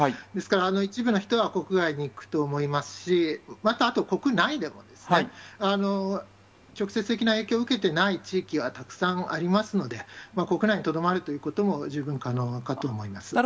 ですから一部の人は国外に行くと思いますし、また、あと国内でも直接的な影響を受けていない地域はたくさんありますので、国内にとどまるということも十分可能かと思います。